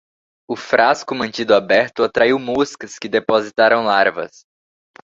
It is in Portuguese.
O frasco mantido aberto atraiu moscas que depositaram larvas